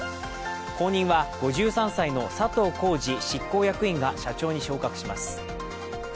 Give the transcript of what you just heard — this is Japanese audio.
後任は５３歳の佐藤恒治執行役員が社長に昇格します。